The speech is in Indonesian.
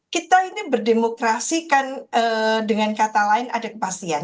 kita ini berdemokrasi kan dengan kata lain ada kepastian